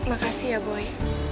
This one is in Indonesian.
terima kasih ya boy